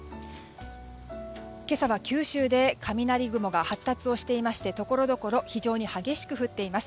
今朝は九州で雷雲が発達していましてところどころ非常に激しく降っています。